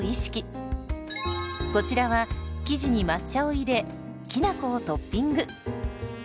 こちらは生地に抹茶を入れきなこをトッピング。